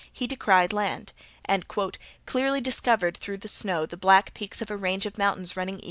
he descried land, and "clearly discovered through the snow the black peaks of a range of mountains running E.